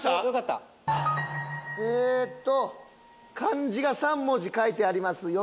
よかったえっと漢字が３文字書いてあります